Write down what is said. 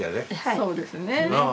そうですね。